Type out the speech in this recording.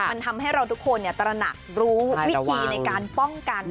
มันทำให้เราทุกคนตระหนักรู้วิธีในการป้องกัน